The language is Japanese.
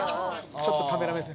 ちょっとカメラ目線。